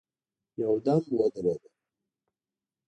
يودم ودرېده.